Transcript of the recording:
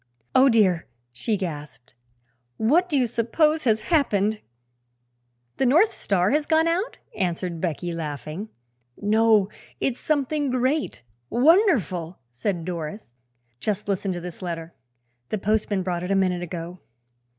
"Oh, dear!" she gasped; "what do you suppose has happened?" "The North Star has gone south," answered Becky, laughing. "No; it's something great wonderful," said Doris. "Just listen to this letter; the postman brought it a minute ago."